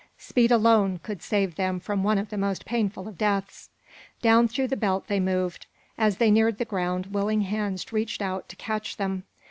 Speed alone could save them from one of the most painful of deaths. Down through the belt they moved. As they neared the ground willing hands reached out to catch them.